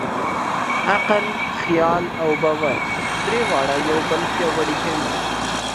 عقل، خیال او باور؛ درې واړه یو بل پیاوړي کوي.